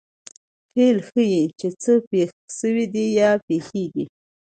فعل ښيي، چي څه پېښ سوي دي یا پېښېږي.